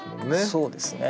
そうですね。